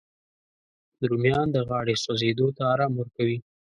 رومیان د غاړې سوځېدو ته ارام ورکوي